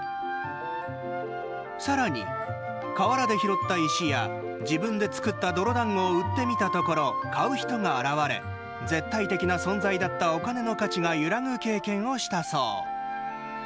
さらに、河原で拾った石や自分で作った泥だんごを売ってみたところ買う人が現れ絶対的な存在だったお金の価値が揺らぐ経験をしたそう。